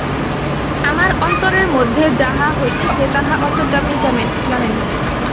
আমার অন্তরের মধ্যে যাহা হইতেছে তাহা অন্তর্যামীই জানেন।